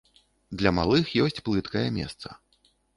Для малых ёсць плыткае месца.